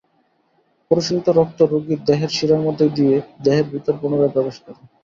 পরিশোধিত রক্ত রোগীর দেহের শিরার মধ্য দিয়ে দেহের ভিতর পুনরায় প্রবেশ করে।